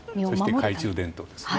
そして、懐中電灯ですね。